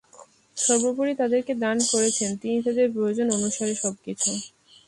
সর্বোপরি তাদেরকে দান করেছেন তিনি তাদের প্রয়োজন অনুসারে সবকিছু।